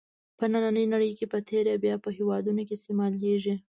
په نننۍ نړۍ په تېره بیا په هېوادونو کې استعمالېږي.